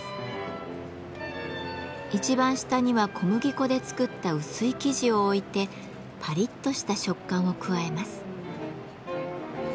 一番下には小麦粉で作った薄い生地を置いてパリッとした食感を加えます。